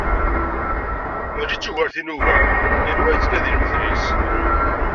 Mačči d tugert i nugar, yal wa yettnadi lmetl-is.